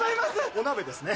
お鍋ですね。